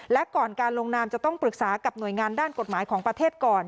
และก่อนการลงนามจะต้องปรึกษากับหน่วยงานด้านกฎหมายของประเทศก่อน